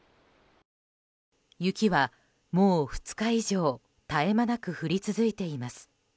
雪はもう２日以上絶え間なく降り続いています。